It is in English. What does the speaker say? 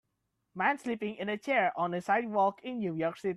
Man sleeping in a chair on a sidewalk in New York City.